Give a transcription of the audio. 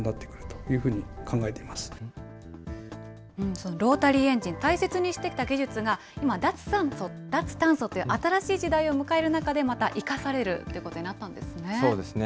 そのロータリーエンジン、大切にしてきた技術が、今、脱炭素という新しい時代を迎える中で、また生かされるということそうですね。